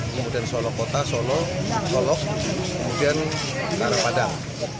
kemudian solok kota solok kemudian ke arah padang